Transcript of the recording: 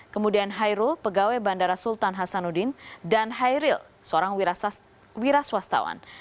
kemudian hairul pegawai bandara sultan hasanuddin dan hairil seorang wira swastawan